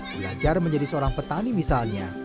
belajar menjadi seorang petani misalnya